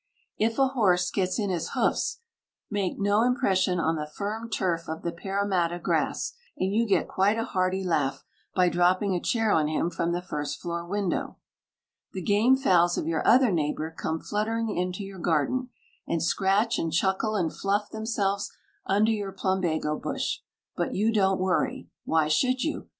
If a horse gets in his hoofs make no impression on the firm turf of the Parramatta grass, and you get quite a hearty laugh by dropping a chair on him from the first floor window. The game fowls of your other neighbour come fluttering into your garden, and scratch and chuckle and fluff themselves under your plumbago bush; but you don't worry. Why should you?